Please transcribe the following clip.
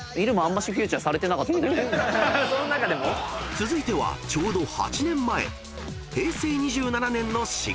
［続いてはちょうど８年前］